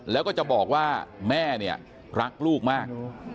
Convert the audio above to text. แล้วก็จะบอกว่าแม่เนี่ยรักลูกมาก